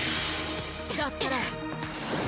だったら。